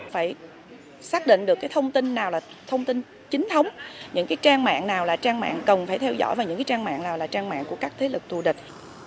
phải xác định được cái thông tin nào là thông tin chính thống những cái trang mạng nào là trang mạng cần phải theo dõi vào những cái trang mạng nào là trang mạng của các thế lực thù địch